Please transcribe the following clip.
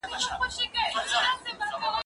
زه به خبري کړې وي؟